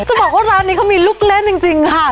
จะบอกว่าร้านนี้เขามีลูกเล่นจริงค่ะ